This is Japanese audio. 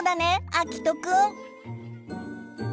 あきとくん。